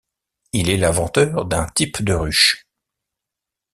Il est l'inventeur d'un type de ruche.